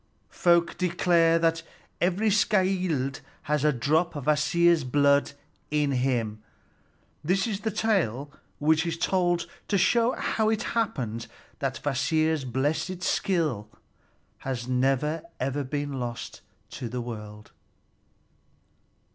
Folk declare that every skald has a drop of Kvasir's blood in him. This is the tale which is told to show how it happened that Kvasir's blessed skill has never been lost to the world.